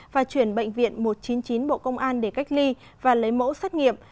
và chuyển bệnh viện một trăm chín mươi chín bộ công an để cách ly và lấy mẫu xét nghiệm